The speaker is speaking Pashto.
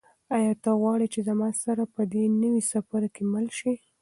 آیا ته غواړې چې زما سره په دې نوي سفر کې مل شې؟